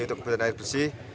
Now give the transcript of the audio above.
untuk kebutuhan air bersih